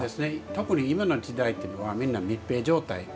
特に今の時代というのはみんな密閉状態。